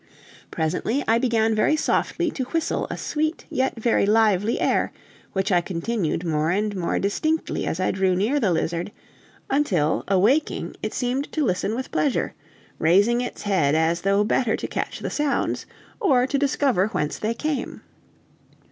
Presently I began very softly to whistle a sweet, yet very lively air, which I continued more and more distinctly as I drew near the lizard; until, awaking, it seemed to listen with pleasure raising its head as though better to catch the sounds, or to discover whence they came.